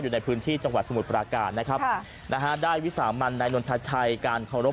ได้วิสามัญนายนทัชัยกาลเข้ารพ